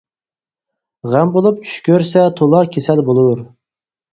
غەم بولۇپ چۈش كۆرسە تولا كېسەل بولۇر.